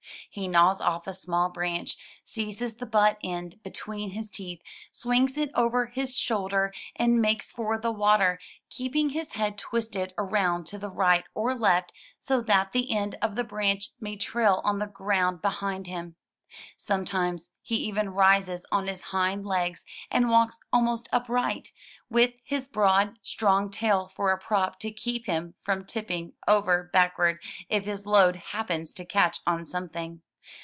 He gnaws off a small branch, seizes the butt end between his teeth, swings it over his shoulder, and makes for the water, keeping his head twisted around to the right or left so that the end of the branch may trail on the ground behind him. Sometimes he even rises on his hind legs, and walks almost upright, with his broad, strong tail for a prop to keep him from tipping over back ward if his load happens to catch on something.